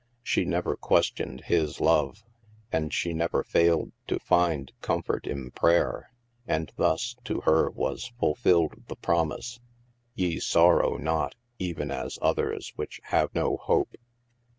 She never questioned His love, and she never failed to find comfort in prayer. And thus to her was fulfilled the promise :" Ye sorrow not even as others which have no hope."